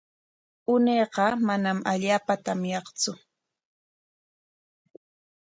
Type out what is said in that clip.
Unayqa manam allaapa tamyaqtsu.